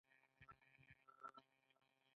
موږ په خپل تاریخ ویاړو.